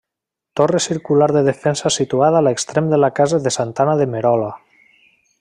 Torre circular de defensa situada a l'extrem de la casa de santa Anna de Merola.